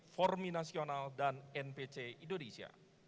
formi nasional dan npc indonesia